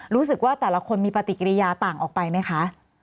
รู้สึกว่าแต่ละคนมีปฏิกิริยาต่างออกไปไหมคะ